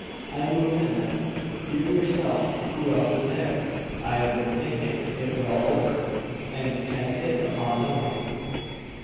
"I move in it!" "You, yourself. Who else is there? I have been thinking it well over, and can hit upon no one."